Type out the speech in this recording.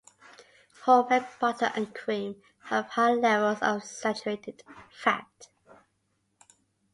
Whole milk, butter and cream have high levels of saturated fat.